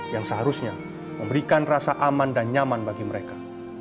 yang seharusnya memberikan rasa aman dan nyaman bagi mereka